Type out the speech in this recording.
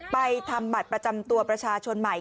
ทำบัตรประจำตัวประชาชนใหม่